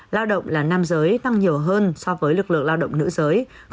lao động là nam giới tăng nhiều hơn so với lực lượng lao động nữ giới